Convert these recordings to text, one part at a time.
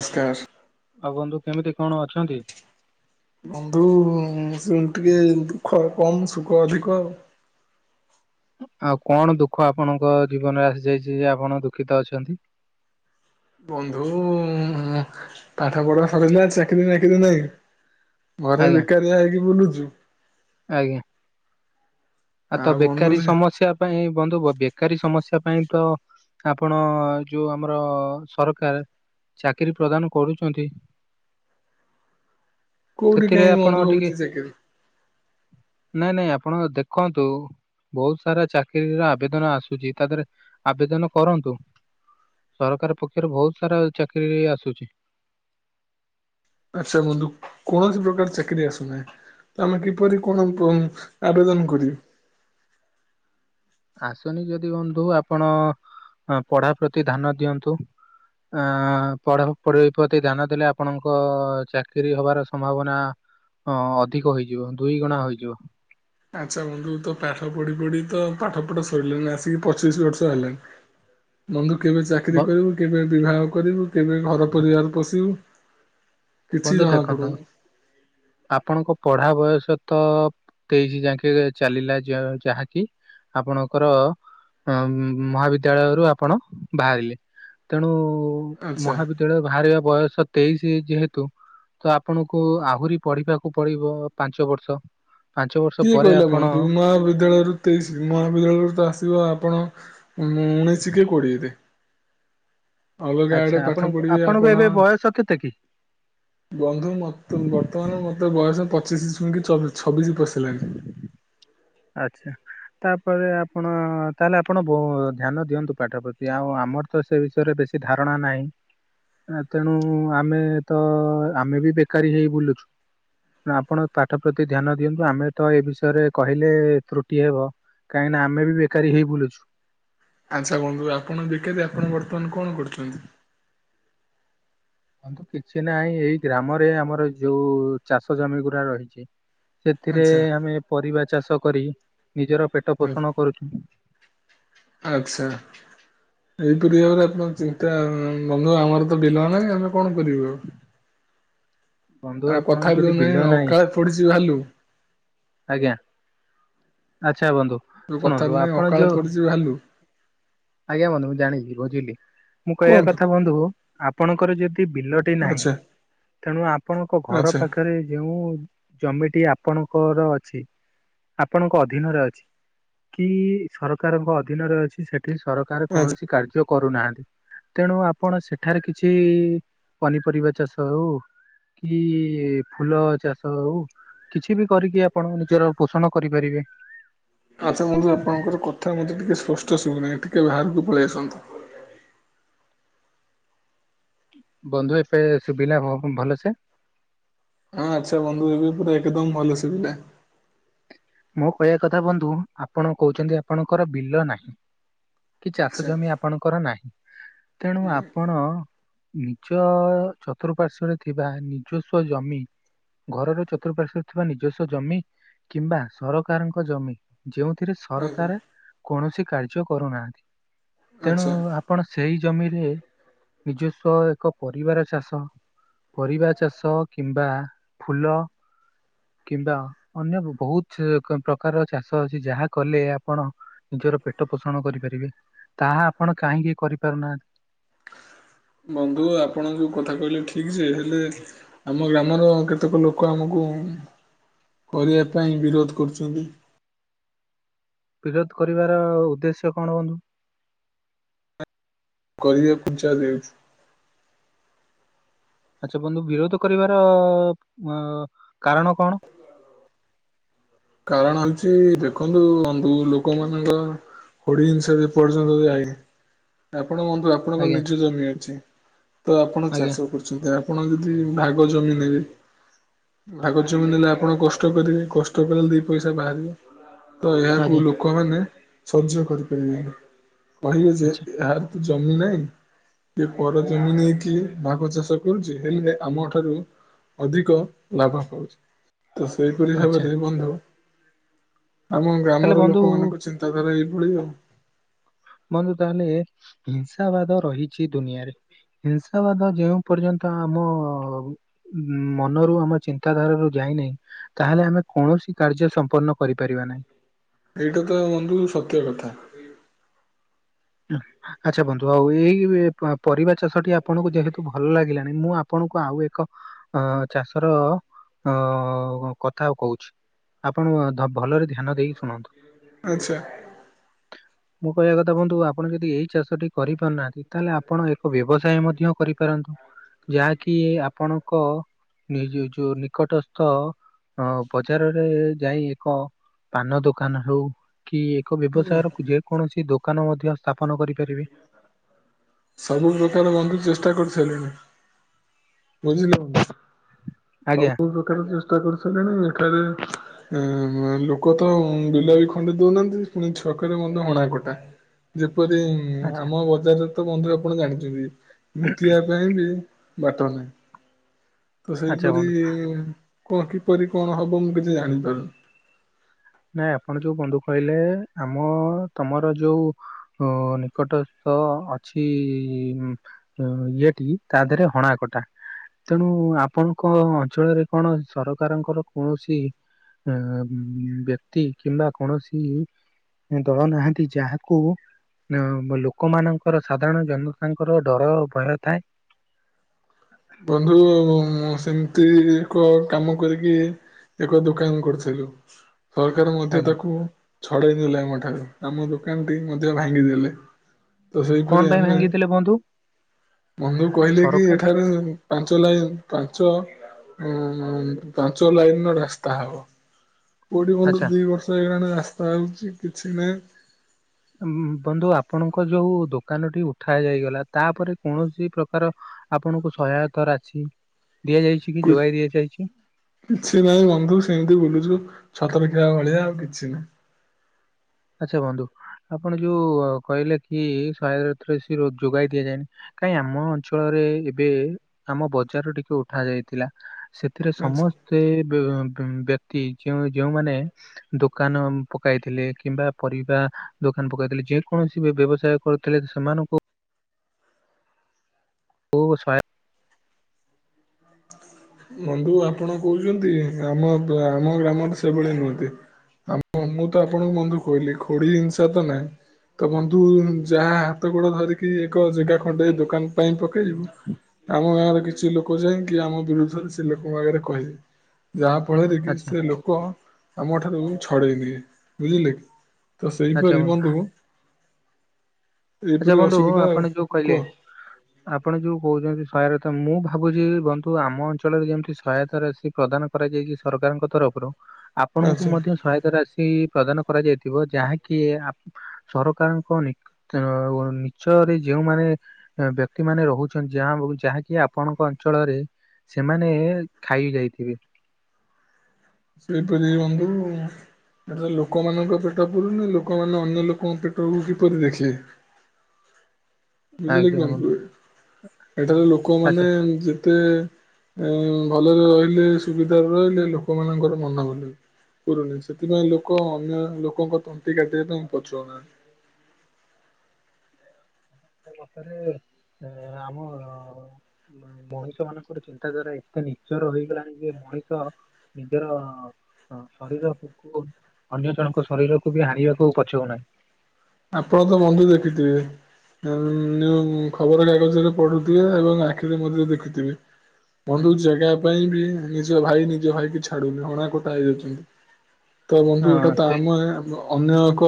ନମସ୍କାର। ଆଉ ବନ୍ଧୁ କେମିତି କଣ ଅଛନ୍ତି? ହୁଁ ସେନ୍ତି ଟିକେ ଦୁଃଖ କମ୍ ସୁଖ ଅଧିକ ଆଉ। ଆଉ କଣ ଦୁଃଖ ଆପଣଙ୍କ ଜୀବନରେ ଆସିଯାଇଚି ଯେ ଆପଣ ଦୁଃଖିତ ଅଛନ୍ତି? ବନ୍ଧୁ, ପାଠପଢା ସରିଲା ଚାକିରୀ ନାକିରୀ ନାହିଁ ଘରେ ଆଜ୍ଞା ବେକାରିଆ ହେଇକି ବୁଲୁଚୁ ଆଜ୍ଞା। ଆଉ ତ ବେକାରୀ ସମସ୍ୟା ପାଇଁ, ବନ୍ଧୁ ବେକାରୀ ସମସ୍ୟା ସେ ପାଇଁ ତ, ଆପଣ ଯୋଉ ଆମର ସରକାର ଚାକିରୀ ପ୍ରଦାନ କରୁଛନ୍ତି କୋଉଠି ସେଥିରେ କାହିଁ ଆପଣ ବନ୍ଧୁ ଟିକେ ହଉଚି ଚାକିରୀ? ନାଇଁ ନାଇଁ ଆପଣ ଦେଖନ୍ତୁ ବହୁତ ସାରା ଚାକିରୀର ଆବେଦନ ଆସୁଚି, ତା ଦେହରେ ଆବେଦନ କରନ୍ତୁ। ସରକାର ପକ୍ଷରୁ ବହୁତ ସାରା ଚାକିରୀ ଆସୁଛି। ଆଚ୍ଛା ବନ୍ଧୁ। କୌଣସି ପ୍ରକାର ଚାକିରୀ ଆସୁନାହିଁ। ତ ଆମେ କିପରି କଣ ପ ଆବେଦନ କରିବି? ଆସୁନି ଯଦି ବନ୍ଧୁ, ଆପଣ ପଢା ପ୍ରତି ଧ୍ୟାନ ଦିଅନ୍ତୁ। ଅ ପଢ଼ା ପଢି ପ୍ରତି ଧ୍ୟାନ ଦେଲେ ଆପଣଙ୍କ ଚାକିରୀ ହବାର ସମ୍ଭାବନା ହଁ ଅଧିକ ହୋଇଯିବ, ଦୁଇ ଗୁଣା ହୋଇଯିବ। ଆଚ୍ଛା ବନ୍ଧୁ ତ ପାଠ ପଢି ପଢି ତ ପାଠ ପଢ଼ା ସରିଲାଣିି, ଆସିକି ପଚିଶି ବର୍ଷ ହେଲାଣି ବନ୍ଧୁ କେବେ ଚାକିରୀ ବ କରିବୁ, କେବେ ବିବାହ କରିବୁ, କେବେ ଘର ପରିବାର ପୋଷିବୁ କିଛି ବନ୍ଧୁ ଜଣା ଦେଖନ୍ତୁ, ପଡୁନି। ଆପଣଙ୍କ ପଢା ବୟସ ତ ତେଇଶି ଯାକେଁ ଚାଲିଲା ଯ ଯାହାକି ଆପଣଙ୍କର ଅ ଉମ୍ ମହାବିଦ୍ୟାଳୟରୁ ଆପଣ ବାହାରିଲେ ତେଣୁ ଆଚ୍ଛା ମହାବିଦ୍ୟାଳୟ ବାହାରିବା ବୟସ ତେଇଶି ଯେହେତୁ ତ ଆପଣଙ୍କୁ ଆହୁରି ପଢିବାକୁ ପଡିବ ପାଞ୍ଚ ବର୍ଷ। ପାଞ୍ଚ ବର୍ଷ କିଏ ପରେ କହିଲା ଆପଣ ବନ୍ଧୁ ମହାବିଦ୍ୟାଳୟରୁ ତେଇଶି, ମହାବିଦ୍ୟାଳୟରୁ ତ ଆସିବ ଆପଣ ଉଁ ଉଣେଇଶି କି କୋଡ଼ିଏରେ। ଅଲଗା ଆଚ୍ଛା ଆଡେ ଆପଣ ପାଠ ପଢିବେ ଆପଣଙ୍କୁ ଆପଣ ଏବେ ବୟସ କେତେ କି? ବନ୍ଧୁ ମତ ବର୍ତ୍ତମାନର ମତେ ବୟସ ପଚିଶି ଛୁଇଁକି ଚବିଶ ଛବିଶି ପଶିଲାଣି। ଆଚ୍ଛା। ତାପରେ ଆପଣ ତାହେଲେ ଆପଣ ବହୁ ଧ୍ୟାନ ଦିଅନ୍ତୁ ପାଠ ପ୍ରତି। ଆଉ ଆପ୍ ଆମର ତ ସେ ବିଷୟରେ ବେଶୀ ଧାରଣା ନାହିଁ ତେଣୁ ଆମେ ତ ଆମେ ବି ବେକାରୀ ହେଇ ବୁଲୁଛୁ। ଆପଣ ପାଠ ପ୍ରତି ଧ୍ୟାନ ଦିଅନ୍ତୁ, ଆମେ ତ ଏ ବିଷୟରେ କ କହିଲେ ତ୍ରୁଟି ହେବ, କାହିଁକିନା ଆମେ ବି ବେକାରୀ ହେଇ ବୁଲୁଛୁ। ଆଚ୍ଛା ବନ୍ଧୁ। ଆପଣ ବେକାରୀ ଆପଣ ବର୍ତ୍ତମାନ କଣ କରୁଚନ୍ତି? ବନ୍ଧୁ କିଛି ନାହିଁ, ଏଇ ଗ୍ରାମରେ ଆମର ଯୋଉ ଚାଷ ଜମି ଗୁରା ରହିଛି ସେଥିରେ ଆଚ୍ଛା ଆମେ ପରିବା ଚାଷ କରି ନିଜର ପେଟ ପୋଷଣ କରୁଛୁ। ଆଚ୍ଛା। ଏହିପରି ଭାବରେ ଆପଣ ଚିନ୍ତା ଉଁ ନ ବନ୍ଧୁ ଆମର ତ ବିଲ ନାହିଁ, ଆମେ କଣ କରିବୁ ଆଉ? ବନ୍ଧୁ ଆଉ କଥା ଆପଣଙ୍କୁ ଯଦି ବିଲ ଯଉନାହିଁ ନାହିଁ ଅକାଳେ ପଡିଛି ଭାଲୁ। ଆଜ୍ଞା ଆ ଆଚ୍ଛା ବନ୍ଧୁ ଯୋଉ ଶୁଣନ୍ତୁ କଥାରେ ନାହିଁ ଆପଣ ଅକାଳେ ଯୋଉ ପଡିଛି ଭାଲୁ ଆଜ୍ଞା ବନ୍ଧୁ ମୁଁ ଜାଣିଲି। ବୁଝିଲି ମୁଁ କହିବା କୁହନ୍ତୁ କଥା ବନ୍ଧୁ ଆପଣଙ୍କର ଯି କି ବିଲଟି ନାହିଁ ଆଚ୍ଛା ତେଣୁ ଆପଣଙ୍କ ଘର ଆଚ୍ଛା ପାଖରେ ଯେଉଁ ଜମି ଟି ଆ ପର ଅଛି ଆପଣଙ୍କ ଅଧୀନରେ ଅଛି। କି ସରକାରଙ୍କ ଅଧୀନରେ ଅଛି ସେଠି ସରକାର ଆଚ୍ଛା। କୌଣସି କାର୍ଯ୍ୟ କରୁନାହାନ୍ତି। ତେଣୁ ଆପଣ ସେଠାରେ କିଛି ପନିପରିବା ଚାଷ ହଉ। କି ଫୁଲ ଚାଷ ହଉ କିଛି ବି କରିକି ଆପଣ ନିଜର ପୋଷଣ କରିପାରିବେ। ଆଚ୍ଛା ବନ୍ଧୁ ଆପଣଙ୍କର କଥା ମତେ ଟିକେ ସ୍ପ ସ୍ପଷ୍ଟ ଶୁଭୁନାହିଁ ଟିକେ ବାହାରକୁ ପଳେଇ ଆସନ୍ତୁ। ବନ୍ଧୁ ଏବେ ସୁଭିଲା ଭ-ଭଲସେ? ହଁ ଆଚ୍ଛା ବନ୍ଧୁ ଏବେ ପୁରା ଏକଦମ ଭଲ ଶୁଭିଲା। ମୋ କହିବା କଥା ବନ୍ଧୁ ଆପଣ କହୁଛନ୍ତି ଆପଣଙ୍କର ବିଲ ନାହିଁ। କି ଚାଷ ଆଚ୍ଛା ଜମି ଆପଣଙ୍କର ନାହିଁ ତେଣୁ ନାଇଁ, ଆପଣ ଉଁ। ଚ ଚତୁର୍ପାଶ୍ୱରେ ଥିବା ନିଜସ୍ୱ ଜମି। ଘରର ଚତୁପାର୍ଶ୍ଵରେ ଥିବା ନିଜସ୍ୱ ଜମି କିମ୍ବା। ସରକାରଙ୍କ ଜମି ଯେଉଁଥିରେ ଆଚ୍ଛା। ସରକାରେ କୌଣସି କାର୍ଯ୍ୟ କରୁନାହାନ୍ତି। ତେଣୁ ଆଚ୍ଛା ଆପଣ ସେଇ ଜମିରେ। ନିଜସ୍ୱ ଏକ ପରିବା ର ଚାଷ। ପରିବା ଚାଷ କିମ୍ବା ଫୁଲ। କିମ୍ବା ଅନ୍ୟ ବ-ବହୁତ ଏ କ ପ୍ରକାର ଚାଷ ଅଛି ଯାହା କଲେ ଆପଣ ନିଜର ପେଟ ପୋଷଣ କରିପାରିବେ ତାହା ଆପଣ କାହିଁକି କରିପାରୁନାହାନ୍ତି? ବନ୍ଧୁ ଆପଣ ଯଉ କଥା କହିଲେ ଠିକ ଯେ ହେଲେ ଆମ ଗ୍ରାମର କେତେକ ଲୋକ ଆମକୁ ଉଁ। କରିବା ପାଇଁ ବିରୋଧ କରୁଛନ୍ତି। ବିରୋଧ କରିବାର ଉଦ୍ଦେଶ୍ୟ କଣ ବନ୍ଧୁ? କଳିଯୁଗ କୁ ଛାଡି ଦେଇଛ। ଆଚ୍ଛା ବନ୍ଧୁ ବିରୋଧ କରିବାର ଅ କାରଣ କଣ? କାରଣ ହଉଛି ଦେଖନ୍ତୁ ବନ୍ଧୁ ଲୋକ ମାନଙ୍କ। ହୋଡି ଜିନିଷ ଯେ ପର୍ଯ୍ୟନ୍ତ ଯାଇନି ଆପଣ ବନ୍ଧୁ ଆପଣଙ୍କ ଆଜ୍ଞା ନିଜ ଜମି ଅଛି। ତ ଆପଣ ଆଜ୍ଞା ଚାଷ କରୁଛନ୍ତି ଆ ଆପଣ ଯଦି ଭାଗ ଜମି ନେବେ ଭାଗ ଜମି ନେଲେ ଆପଣ କଷ୍ଟ କରିବେ କଷ୍ଟ କଲେ ଦି ପଇସା ବାହାରିବ ତ ଏହାକୁ ଆଜ୍ଞା ଲୋକମାନେ। ସଯ୍ୟ କରିପାରିବେନି କହିବେ ଯେ ଆଚ୍ଛା ଏ-ଏହାର ତ ଜମି ନାହିଁ। ଇଏ ପର ଜମି ନେଇକି ଭାଗ ଚାଷ କରୁଛି ହେଲେ ଆମ ଠାରୁ। ଅଧିକ ଲାଭ ପାଉଛି ତ ସେଇପରି ଭାବ ଆଚ୍ଛା ର ଆମ ତାହେଲେ ଗ୍ରାମର ବନ୍ଧୁ ଲୋକମାନଙ୍କ ଚିନ୍ତାଧାରା ଏଇଭଳି ଆଉ। ବନ୍ଧୁ ତାହେଲେ ହିଂସାବାଦ ରହିଛି ଦୁନିଆରେ। ହିଂସାବାଦ ଯେଉଁ ପର୍ଯ୍ୟନ୍ତ ଆମ ଉଁ ମନରୁ ଆମ ଚିନ୍ତାଧାରାରୁ ଯା ଯାଇନି ତାହେଲେ ଆମେ କୌଣସି କାର୍ଯ୍ୟ ସମ୍ପନ୍ନ କରିପାରିବା ନାହିଁ। ଏଇଟା ତ ବନ୍ଧୁ ସତ୍ୟ କଥା। ଉଁ ଆଚ୍ଛା ବନ୍ଧୁ ଆଉ ଏଇ ପ-ପରିବା ଚାଷଟି ଆପଣଙ୍କୁ ଯେହେତୁ ଭଲ ଲାଗିଲାନି ମୁଁ ଆପ ଣଙ୍କୁ ଆଉ ଏକ ଅ ଚାଷର ଅ କଥା ଆଉ କହୁଛି। ଆପଣ ଧ ଭଲରେ ଧ୍ୟାନ ଦେଇକି ଶୁଣନ୍ତୁ ଆଚ୍ଛା ମୁଁ କହିବା କଥା ବନ୍ଧୁ ଆ ଆପଣ ଯଦି ଏଇ ଚାଷଟି କରିପାରୁନାହାନ୍ତି ତାହେଲେ ଆପଣ ଏକ ବ୍ୟବସାୟ ମଧ୍ୟ କରିପାରନ୍ତୁ। ଯାହାକି ଆପଣଙ୍କ। ନିଜେ ଯୋଉ ନିକଟସ୍ଥ ଅ ବଜାରରେ ଯାଇ ଏକ। ପାନ ଦୋକାନ ହଉ କି ଏକ ବ୍ୟବସାୟର ଯେକୌଣସି ଦୋକାନ ମଧ୍ୟ ସ୍ଥାପନ କରି ସବୁ ପ୍ରକାର ବନ୍ଧୁ ଚେଷ୍ଟା କରିସାରିଲିଣି। [unintelligible] ଆଜ୍ଞା ସବୁ ପ୍ରକାର ଚେଷ୍ଟା କରି ସାରିଲିଣି ଖାଲି ଉଁ ଲୋକ ତ ବିଲବି ଖଣ୍ଡେ ଦଉନାହାନ୍ତି ପୁଣି ଛକରେ ମଧ୍ୟ ହଣା କଟା ଯେ କିପରି ଆଚ୍ଛା ଆମ ବଜାରରେ ତ ବନ୍ଧୁ ଆପଣ ଜାଣିଥିବେ ମୁତିିବା ପାଇଁ ବି ବାଟ ନାହିଁ। ତ ଆଚ୍ଛା ସେଇପରି ବନ୍ଧୁ। କୁହ କିପରି କଣ ହବ ମୁଁ କିଛି ଜାଣିପାରୁନି। ନାଇଁ ଆପଣ ଯୋଉ ବନ୍ଧୁ କହିଲେ ଆମ ତମର ଯୋଉ ଅ ନିକଟ ତ ଅଛି ଇଏଟି ତା ଦେହରେ ହଣାକଟା। ତେଣୁ ଆପଣଙ୍କ ଅଞ୍ଚଳରେ କଣ ସରକାରଙ୍କର କୌଣସି ବ୍ୟକ୍ତି କିମ୍ବା କୌଣସି ଦଳ ନାହାନ୍ତି ଯାହାକୁ ଲୋକମାନନଙ୍କର ସାଧାରଣ ଜନତାଙ୍କର ଡର ଭୟ ଥାଏ। ବନ୍ଧୁ ସେମିତି ଏକ କାମ କରିକି ଏକ ଦୋକାନ କରିଥିଲୁ। ସରକାର ମଧ୍ୟ ଆଜ୍ଞା ତାକୁ ଛଡେଇ ନେଲେ ଆମ ଠାରୁ, ଆମ ଦୋକାନ ଟି ମଧ୍ୟ ଭାଙ୍ଗିଦେଲେ। ତ କଣ ସେଇପରି ପାଇଁ ଆମେ ଭାଙ୍ଗିଦେଲେ ବନ୍ଧୁ ବନ୍ଧୁ କହିଲେ କି ସରକାର ଏଠାରେ ପାଞ୍ଚ ଲାଇନ ପାଞ୍ଚ ଉଁ ପାଞ୍ଚ ଲାଇନ ର ରାସ୍ତା ହବ। କୋଉଠି ବନ୍ଧୁ ଆଚ୍ଛା ଦି ବର୍ଷ ହେଇଗଲାଣି ରାସ୍ତା ହଉଛି କିଛି ନାହିଁ। ବନ୍ଧୁ ଆପଣଙ୍କ ଯୋଉ ଦୋକାନଟି ଉଠା ଯାଇଗଲା ତାପରେ କୌଣସି ପ୍ରକାର ଆପଣଙ୍କୁ ସହାୟତା ରାଶି ଦିଆଯାଇଛି କି ଯୋଗାଇ ଦିଆଯାଇଛି କିଛି ନାହିଁ ବନ୍ଧୁ ସେମିତି ବୁଲୁଛୁ। ଛତରଖିଆ ଭଳିଆ ଆଉ କିଛି ନୁହଁ। ଆଚ୍ଛା ବନ୍ଧୁ ଆପଣ ଯୋଉ କହିଲେ କି ସହାୟତା ରାଶି ଯୋଗାଇ ଦିଆଯାଏନି କାଇଁ ଆମ ଅଞ୍ଚଳରେ ଏବେ ଆମ ବଜାର ଟିକେ ଉଠା ଯାଇଥିଲା। ସେଥିରେ ସମସ୍ତେ ବ୍ୟ ଯଉ ଯୋଉମାନେ ଦୋକାନ ପକାଇଥିଲେ କି କିମ୍ବା ପରିବା ଦୋକାନ ପକେଇଥିଲେ। ଯେ କୌଣସି ବି ବ୍ୟବସାୟ କରୁଥିଲେ ସେମାନଙ୍କୁ ଓ ସହାୟ [inaudible] ବନ୍ଧୁ ଆପଣ କହୁଛନ୍ତି ଆମ ଆମ ଗ୍ରାମରେ ସେଭଳିଆ ନୁହନ୍ତି। ଆ ମୁଁ ତ ଆପଣଙ୍କୁ ବନ୍ଧୁ କହିଲି ଥୋଡି ହିଂସା ତ ନାହିଁ। ତ ବନ୍ଧୁ ଯାହା ହାତ ଗୋଡ ଧରିକି ଏକ ଜାଗା ଖଣ୍ଡେ ଦୋକାନ ପାଇଁ ପକେଇବୁ ଆମ ଗାଁରେ କିଛି ଲୋକ ଯାଇ କି ଆମ ବିରୁଦ୍ଧରେ ସେ ଲୋକଙ୍କ ଆଗରେ କହିବେ। ଯାହା ଫଳରେ କି ଆଚ୍ଛା ସେ ଲୋକ ଆମ ଠାରୁ ଛଡେଇ ନିିଏ ବୁଝିଲେ। ତ ସେଇପରି ବନ୍ଧୁ ଆଚ୍ଛା ଏହିପରି ବନ୍ଧୁ ଅସୁବିଧା ଆଉ ଆପଣ ଯୋଉ କହିଲେ କୁହ ଆପଣ ଯୋଉ କହୁଛନ୍ତି ସ ତ ମୁଁ ଭାବୁଛି ବନ୍ଧୁ ଆମ ଅଞ୍ଚଳରେ ଯେମିତି ସହାୟତା ରାଶି ପ୍ରଦାନ କରାଯାଇଛି ସରକାରଙ୍କ ତରଫରୁ ଆପଣଙ୍କୁ ଆଚ୍ଛା। ମଧ୍ୟ ସହାୟତା ରାଶି ପ୍ରଦାନ କରାଯାଇଥିବ। ଯାହାକି ସରକାରଙ୍କ ନି ନିଚରେ ଯୋଉମାନେ ବ୍ୟକ୍ତି ମାନେ ରହୁଛନ୍ତି ଯାହା ଯାହାକି ଆପଣଙ୍କ ଅଞ୍ଚଳରେ ସେମାନେ ଖାଇ ଯାଇଥିବେ। ସେହିପରି ବନ୍ଧୁ। ଏଠି ତ ଲୋକମାନଙ୍କ ପେଟ ପୁରୁନି ଲୋକମାନେ ଅନ୍ୟ ଲୋକଙ୍କ ପେଟକୁ କିପରି ଦେଖିବେ। ବୁଝିଲେ କି ବନ୍ଧୁ ।ଏଠାରେ ଆଚ୍ଛା ଲୋକମାନେ ଯେ ତେ ଭଲରେ ରହିଲେ ସୁବିଧାରେ ରହିଲେ ଲୋକମାନଙ୍କର ମନ। [unintelligible] ପୁରୁନି ସେଥିପାଇଁ ଲୋକ ଅନ୍ୟ ଲୋକଙ୍କ ତଣ୍ଟି କାଟିବା ପାଇଁ ପଛଉନାହାଁନ୍ତି। [inaudible] ବାପରେ ଆମ ମଣିଷ ମାନଙ୍କର ଚିନ୍ତାଧାରା ଏତେ ନିଚର ହେଇଗଲାଣି ଯେ ମଣିଷ ନିଜର ଶରୀର କୁ। ଅନ୍ୟ ଜଣଙ୍କ ଶରୀରକୁ ବି ହାରିବାକୁ ପଛଉନାହିଁ। ଆପଣ ଙ୍କ ବନ୍ଧୁ ଦେଖିଥିବେ। ଉ ଯୋଉଁ ଖବର କାଗଜରେ ପଢୁଥିବେ ଏବଂ ଆଖିରେ ମଧ୍ୟ ଦେଖୁଥିବେ। ବନ୍ଧୁ ଜାଗା ପାଇଁ ବି ନିଜ ଭାଇ ନିଜ ଭାଇକ ଛାଡୁନି ହଣା କଟା ହେଇଯାଉଛନ୍ତି। ତ ବନ୍ଧୁ ଏଇଟା ହଁ ତ ସେ ଆମେ ଅନ୍ୟ ଏକ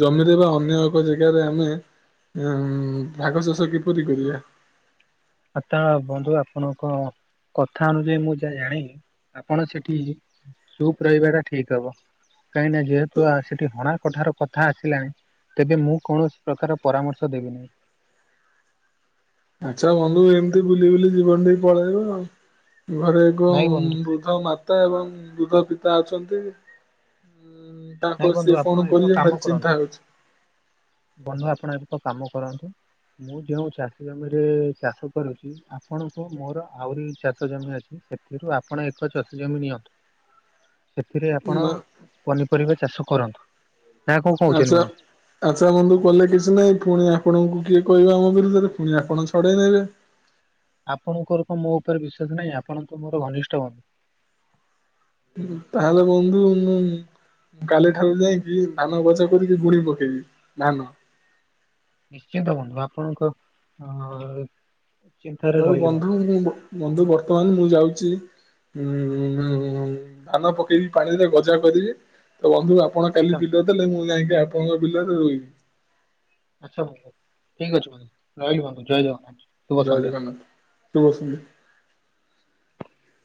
ଜମିରେ ବା ଅନ୍ୟ ଏକ ଜାଗାରେ ଆମେ ଉ ଭାଗ ଚାଷ କିପରି କରିବା? ଆ ତ ବନ୍ଧୁ ଆପଣ କ କଥା ଅନୁଯାୟୀ ମୁଁ ଯାହା ଜାଣିଲି ଆପଣ ସେଠି ସୁପ୍ ରହିବା ଟା ଠିକ ହବ। କାହିଁକି ନା ତ ଯେହେତୁ ସେଠି ହଣା କଟାର କଥା ଆସିଲାଣି ତେବେ ମୁଁ କୌଣସି ପ୍ରକାର ପରାମର୍ଶ ଦେବି ନାହିଁ । ଆଚ୍ଛା ବନ୍ଧୁ ଏମିତି ବୁଲି ବୁଲି ଜୀବନ ଟି ପଳେଇବ ଆଉ। ଘରେ ଏକ ନାଇଁ ବନ୍ଧୁ ବୃଦ୍ଧ ମାତା ଏବଂ ବୃଦ୍ଧ ପିତା ଅଛନ୍ତି। ନାଇଁ ତାଙ୍କର ବନ୍ଧୁ ସିଏ କଣ ଆପଣ ଏକ କରିବେ କାମ ଭାରି ଚିନ୍ତା କରନ୍ତୁ ହଉଛି ବନ୍ଧୁ ଆପଣ ଏକ କାମ କରନ୍ତୁ ମୁଁ ଯେଉଁ ଚାଷ ଜମିରେ ଚାଷ କରୁଛି ଆପଣଙ୍କୁ ମୋର ଆହୁରି ଚାଷ ଜମି ଅଛି ସେଥିରୁ ଆପଣ ଏକ ଚାଷି ଜମି ନିଅନ୍ତୁ [inaudible] ସେଥିରେ ଆପଣ ପନିପରିବା ଚାଷ କରନ୍ତୁ। ନା କଣ କହୁଛନ୍ତି ଆଚ୍ଛା ବନ୍ଧୁ ଆଚ୍ଛା ବନ୍ଧୁ କଲେ କିଛି ନାଇଁ ପୁଣି ଆ ଆପଣଙ୍କୁ କିଏ କହିବ ଆମ ବିରୁଦ୍ଧରେ ପୁଣି ଆପଣ ଛଡ଼େଇ ନେବେ। ଆପଣଙ୍କର କଣ ମୋ ଉପରେ ବିଶ୍ଵାସ ନାହିଁ ଆପଣ ତ ମୋର ଘନିଷ୍ଠ ବନ୍ଧୁ। ତାହଲେ ବନ୍ଧୁ ମୁଁ କାଲି ଠାରୁ ଯାଇକି ଧାନ ଗଛ କରିକି ଗୁଣି ପକେଇବି ଧାନ। ନିଶ୍ଚିନ୍ତ ବନ୍ଧୁ ଆପଣଙ୍କ ଅ ଚିନ୍ତାରେ ହଉ ରହିଲି ବନ୍ଧୁ ମୁଁ ବନ୍ଧୁ ବର୍ତ୍ତମାନ ମୁଁ ଯାଉଛି ହଁଁ ହୁଁ ଧାନ ପକେଇକି ପାଣିରେ ଗଜା କରିବି ତ ବନ୍ଧୁ ଆପଣ ଆଚ୍ଛା କାଲି ବିଲ ଦେଲେ ମୁଁ ଯାଇକି ଆପଣଙ୍କ ବିଲରେ ରୋଇବି। ଆଚ୍ଛା ବନ୍ଧୁ ଠିକ ଅଛି ବନ୍ଧୁ ରହିଲି ବନ୍ଧୁ ଜୟ ଜଗନ୍ନାଥ। ଶୁଭ ଜୟ ସନ୍ଧ୍ୟା। ଜଗନ୍ନାଥ । ଶୁଭ ସନ୍ଧ୍ୟା।